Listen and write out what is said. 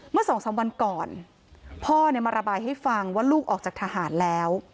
เมื่อสองสามวันก่อนพ่อมาระบายให้ฟังว่าลูกออกจากทหารแล้ว